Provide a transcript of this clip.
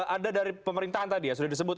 ada dari pemerintahan tadi ya sudah disebut